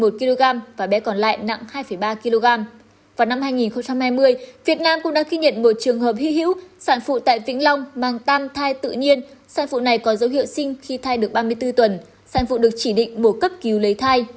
sản phụ này có dấu hiệu sinh khi thai được ba mươi bốn tuần sản phụ được chỉ định bổ cấp cứu lấy thai